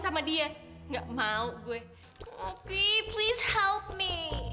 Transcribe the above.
sama dia nggak mau gue oke please help me